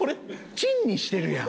チンにしてるやん。